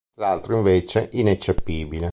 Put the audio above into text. L'altro invece ineccepibile.